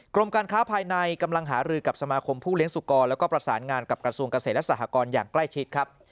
กรมการค้าภายในกำลังหารือกับสมาคมผู้เลี้ยสุกรแล้วก็ประสานงานกับกระทรวงเกษตรและสหกรอย่างใกล้ชิดครับ